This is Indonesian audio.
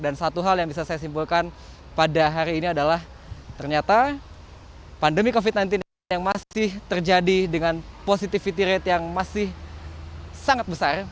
dan satu hal yang bisa saya simpulkan pada hari ini adalah ternyata pandemi covid sembilan belas yang masih terjadi dengan positivity rate yang masih sangat besar